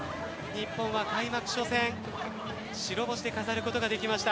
日本は開幕初戦白星で飾ることができました。